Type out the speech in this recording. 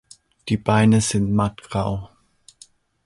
Die Beine sind matt grau.